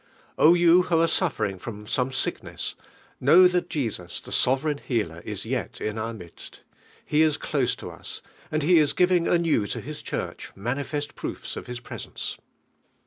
O you who are suffering from gome sickness, know that Jesns the sovereign Healer is yet in our midst. He is close to us, and He is giving anew to His Church manifest proofs of His presence.